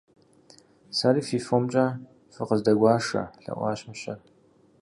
- Сэри фи фомкӀэ фыкъыздэгуашэ! – лъэӀуащ мыщэр.